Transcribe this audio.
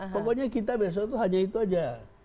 pokoknya kita besok itu hanya itu saja